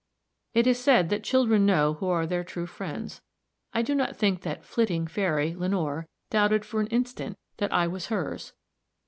It is said that children know who are their true friends. I do not think that "flitting, fairy" Lenore doubted for an instant that I was hers.